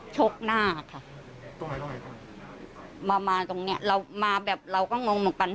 ชกหน้าค่ะตัวรอดมามาตรงเนี้ยเรามาแบบเราก็งงเหมือนกัน